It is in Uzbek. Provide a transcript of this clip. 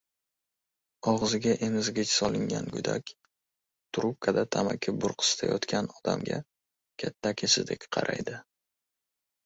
Og‘ziga emizgich solingan go‘dak trubkada tamaki burqsitayotgan odamga katta akasidek qaraydi.